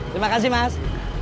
terima kasih mas